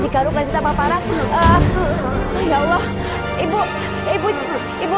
bapak bapak bapak bapak bapak